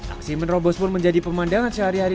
aksi menerobos pun menjadi pemandangan sehari hari